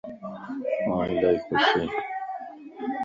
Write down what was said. آن الائي خوش ائين